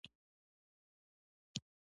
ګانا له انګرېزانو خپلواکۍ تر ګټلو وروسته مخ شو.